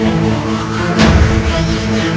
aku akan menang